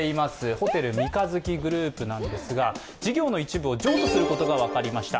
ホテル三日月グループなんですが事業の一部を譲渡することが分かりました。